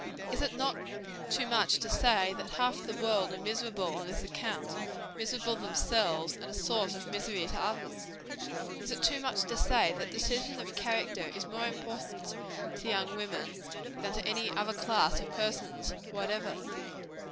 Is it too much to say, that half the world are miserable on this account, miserable themselves, and a source of misery to others? Is it too much to say, that decision of character is more important to young women than to any other class of persons whatever?